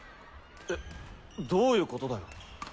えどういうことだよ。